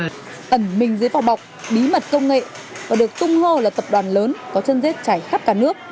tần mình dưới phòng bọc bí mật công nghệ và được tung hô là tập đoàn lớn có chân dết chảy khắp cả nước